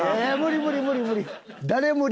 無理無理無理無理！